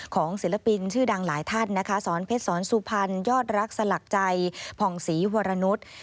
ศิลปินชื่อดังหลายท่านนะคะสอนเพชรสอนสุพรรณยอดรักสลักใจผ่องศรีวรนุษย์